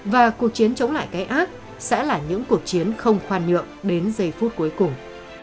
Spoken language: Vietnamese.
và cuộc chiến chống lại cái ác sẽ là những cuộc chiến không khoan nhượng đến giây phút cuối cùng